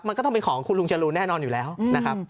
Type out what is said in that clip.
มันก็ต้องเป็นของคุณลุงจรูนแน่นอนอยู่แล้วนะครับ